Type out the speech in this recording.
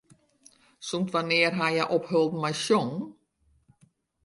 Sûnt wannear wie hja opholden mei sjongen?